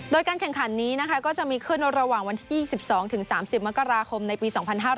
โดยการแข่งขันนี้นะคะก็จะมีขึ้นระหว่างวันที่๒๒๓๐มกราคมในปี๒๕๕๙